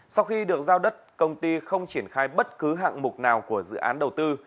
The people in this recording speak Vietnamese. sau khi được giao đất công ty không triển khai bất cứ hạng mục nào của dự án đầu tư